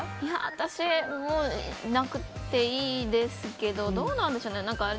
私、なくていいですけどどうなんでしょうね。